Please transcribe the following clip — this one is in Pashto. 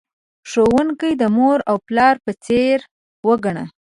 ښوونکی د مور او پلار په څیر وگڼه.